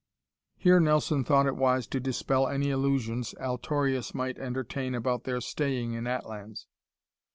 Here Nelson thought it wise to dispel any illusions Altorius might entertain about their staying in Atlans.